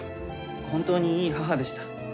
本当にいい母でした。